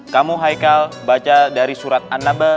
kamu haikal baca dari surat annabe